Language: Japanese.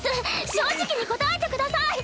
正直に答えてください！